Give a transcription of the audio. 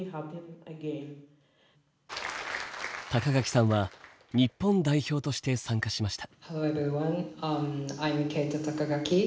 垣さんは日本代表として参加しました。